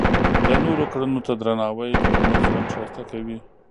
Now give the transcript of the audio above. د نورو کړنو ته درناوی ټولنیز ژوند ښایسته کوي.